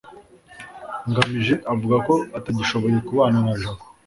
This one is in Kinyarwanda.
ngamije avuga ko atagishoboye kubana na jabo